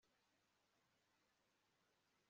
Nishimiye rwose basore